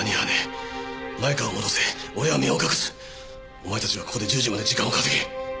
お前たちはここで１０時まで時間を稼げ。